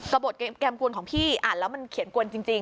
บทแก้มกวนของพี่อ่านแล้วมันเขียนกวนจริง